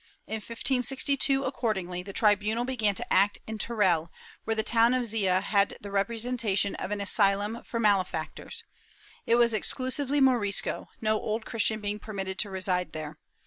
In 1562, accordingly, the tribunal began to act in Teruel, where the town of Xea had the reputation of an asylum for malefactors; it was exclusively Morisco, no Old Christian being permitted to reside there.